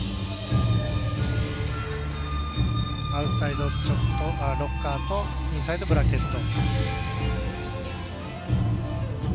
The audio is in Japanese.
アウトサイドちょっとロッカーアウトインサイドブラケット。